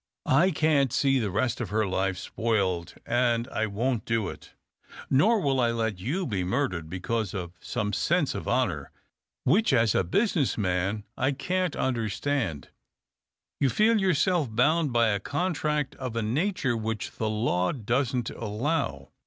I can't see the rest of her life spoiled, and I won't do it. Nor will I let you be murdered, because from some sense of honour (which as a business man I can't 298 THE OCTAVE OF CLAUDIUS. understand) you feel yourself bound by a con tract of a nature which the law doesn't allow.